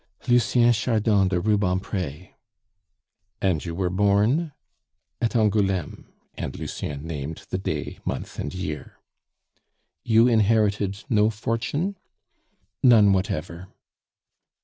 "Lucien Chardon de Rubempre." "And you were born ?" "At Angouleme." And Lucien named the day, month, and year. "You inherited no fortune?" "None whatever."